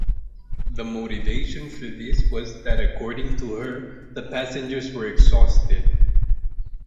The motivation for this was that according to her the passengers were exhausted.